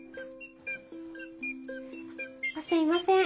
あっすいません。